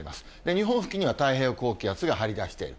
日本付近には太平洋高気圧が張り出している。